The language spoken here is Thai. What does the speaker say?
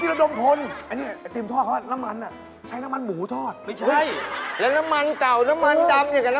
นี่เรื่องจริงเหมือนกินระดมฝน